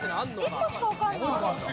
１個しかわかんない。